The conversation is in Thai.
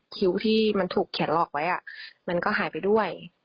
คิ้วที่มันถูกแขนหลอกไว้มันก็หายไปด้วย